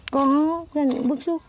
có dân cũng bước xuất